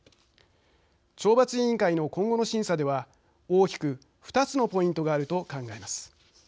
懲罰委員会の今後の審査では大きく２つのポイントがあると考えます。